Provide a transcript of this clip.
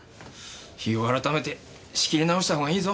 日を改めて仕切り直したほうがいいぞ。